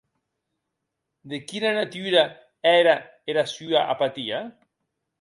De quina natura ère era sua apatia?